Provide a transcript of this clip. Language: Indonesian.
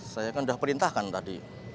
saya kan sudah perintahkan tadi